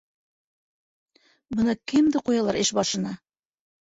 Бына кемде ҡуялар эш башына!